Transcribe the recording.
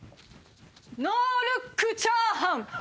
ノールックチャーハン！